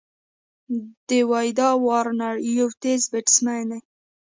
داويد وارنر یو تېز بېټسمېن دئ.